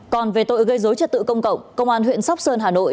còn về tội gây dối trật tự công cộng công an huyện sóc sơn hà nội